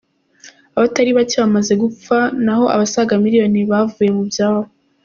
Abatari bake bamaze gupfa n’aho abasaga miliyoni bavuye mu byabo.